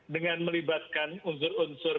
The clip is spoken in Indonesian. dengan melibatkan unsur unsur